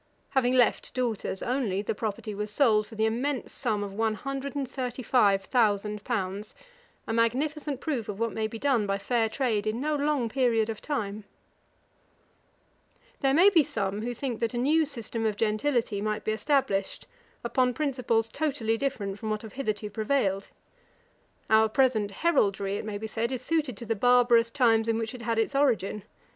Having left daughters only, the property was sold for the immense sum of one hundred and thirty five thousand pounds; a magnificent proof of what may be done by fair trade in no long period of time. [Page 492: A new system of gentility. A.D. 1765.] There may be some who think that a new system of gentility might be established, upon principles totally different from what have hitherto prevailed. Our present heraldry, it may be said, is suited to the barbarous times in which it had its origin.